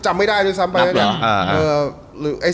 จำไม่ได้รึซักนั้น